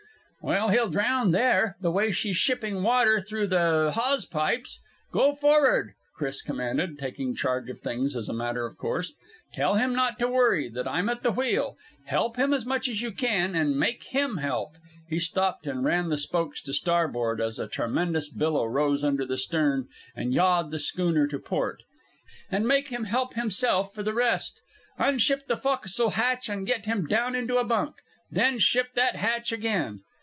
"Well, he'll drown there the way she's shipping water through the hawse pipes. Go for'ard!" Chris commanded, taking charge of things as a matter of course. "Tell him not to worry; that I'm at the wheel. Help him as much as you can, and make him help" he stopped and ran the spokes to starboard as a tremendous billow rose under the stern and yawed the schooner to port "and make him help himself for the rest. Unship the fo'castle hatch and get him down into a bunk. Then ship the hatch again."